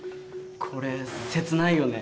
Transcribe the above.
これ切ないよね。